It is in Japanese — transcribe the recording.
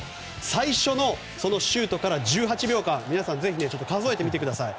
最初のシュートから１８秒間ぜひ数えてみてください。